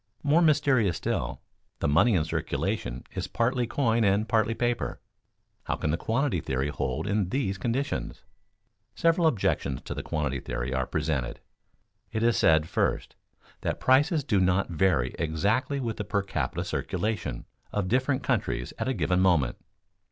More mysterious still, the money in circulation is partly coin and partly paper. How can the quantity theory hold in these conditions? Several objections to the quantity theory are presented. It is said, first, that prices do not vary exactly with the per capita circulation of different countries at a given moment.